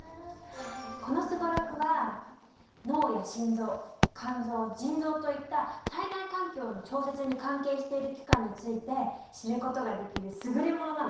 このすごろくは脳や心臓肝臓腎臓といった体内環境の調節に関係している器官について知ることができるすぐれものなの。